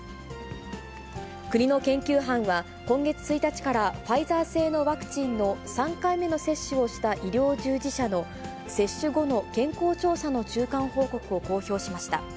国の研究班は、今月１日からファイザー製のワクチンの３回目の接種をした医療従事者の接種後の健康調査の中間報告を公表しました。